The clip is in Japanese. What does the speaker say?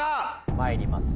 まいります